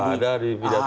ada di pidato ya